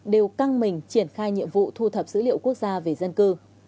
đều căng mình triển khai nhiệm vụ thu thập dữ liệu quốc gia về dân cư